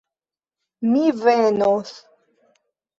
Mi venos.